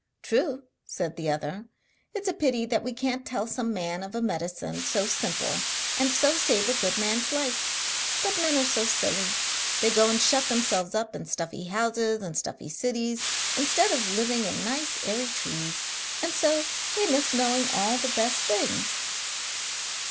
'True!' said the other, 'it's a pity that we can't tell some man of a medicine so simple, and so save a good man's life. But men are so silly; they go and shut themselves up in stuffy houses in stuffy cities instead of living in nice airy trees, and so they miss knowing all the best things.'